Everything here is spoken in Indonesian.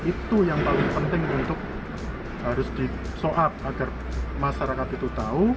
itu yang paling penting untuk harus diso up agar masyarakat itu tahu